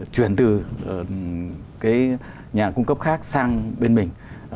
chuyển từ nhà cung cấp khác sang bên mình